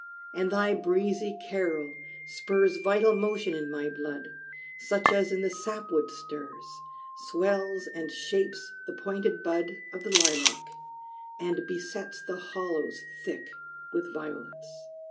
And thy breezy carol spurs Vital motion in my blood, Such as in the sapwood stirs, Swells and shapes the pointed bud Of the lilac; and besets The hollows thick with violets.